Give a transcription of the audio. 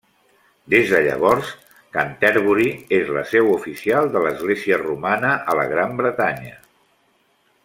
Des de llavors, Canterbury és la seu oficial de l'Església romana a la Gran Bretanya.